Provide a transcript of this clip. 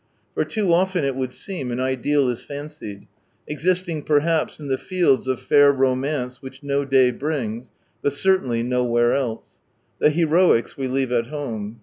For too often, it would seem, an ideal is fancied, existing perhaps in the " Fields of fair romance which no day brings," but certainly nowhere else. The heroics we leave at home.